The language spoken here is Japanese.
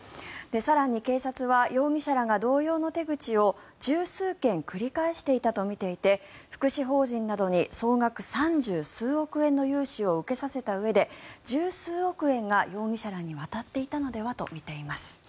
更に警察は容疑者らが同様の手口を１０数件繰り返していたとみていて福祉法人などに総額３０数億円の融資を受けさせたうえで１０数億円が容疑者らに渡っていたのではとみています。